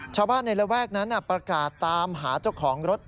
ชาวบ้านในระแวกนั้นประกาศตามหาเจ้าของรถ